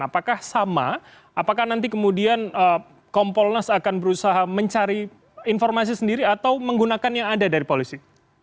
apakah sama apakah nanti kemudian kompolnas akan berusaha mencari informasi sendiri atau menggunakan yang ada dari polisi